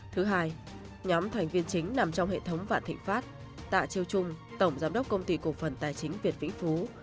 thứ hai nhóm thành viên chính nằm trong hệ thống vạn thịnh pháp tạ chiêu trung tổng giám đốc công ty cổ phần tài chính việt vĩnh phú